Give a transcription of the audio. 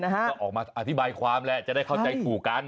ก็ออกมาอธิบายความแหละจะได้เข้าใจถูกกัน